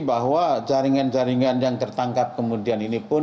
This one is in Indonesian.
bahwa jaringan jaringan yang tertangkap kemudian ini pun